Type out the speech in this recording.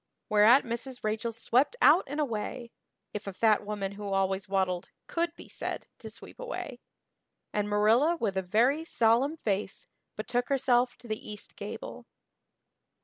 Whereat Mrs. Rachel swept out and away if a fat woman who always waddled could be said to sweep away and Marilla with a very solemn face betook herself to the east gable.